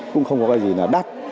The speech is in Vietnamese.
cũng không có cái gì là đắt